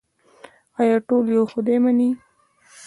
آیا ټول یو خدای مني؟